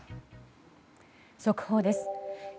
速報です。